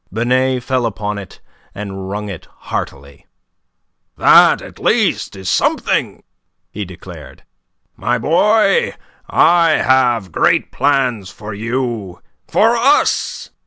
Binet fell upon it and wrung it heartily. "That, at least, is something," he declared. "My boy, I have great plans for you for us.